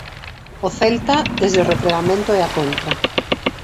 O Celta desde o repregamento e a contra.